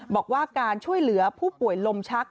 บอกว่าการช่วยเหลือผู้ป่วยลมชัก